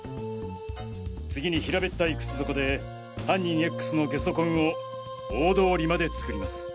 次に平べったい靴底で犯人“Ｘ”の下足痕を大通りまで作ります。